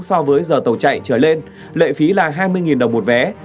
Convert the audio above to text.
so với giờ tàu chạy trở lên lệ phí là hai mươi đồng một vé